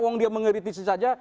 kalau saya mengeritisi saja